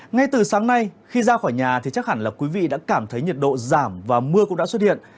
ngay từ sáng nay khi ra khỏi nhà thì chắc hẳn là quý vị đã cảm thấy nhiệt độ giảm và mưa cũng đã xuất hiện